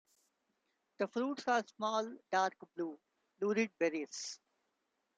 The fruits are small dark blue, lurid berries.